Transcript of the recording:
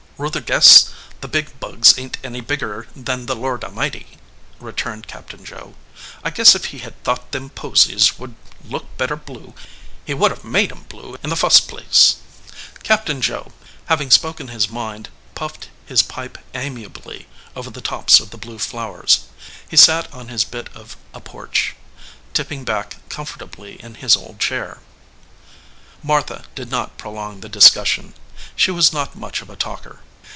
"Ruther guess the big bugs ain t any bigger than the Lord A mighty," returned Captain Joe. "I guess if He had thought them posies would look better blue He would have made em blue in the fust place." Captain Joe, having spoken his mind, puffed his pipe amiably over the tops of the blue flowers. He sat on his bit of a porch, tipping back comfortably in his old chair. Martha did not prolong the discussion. She was not much of a talker.